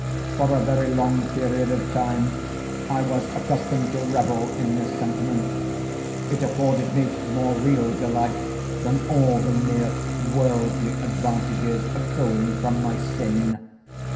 For a very long period of time I was accustomed to revel in this sentiment. It afforded me more real delight than all the mere worldly advantages accruing from my sin.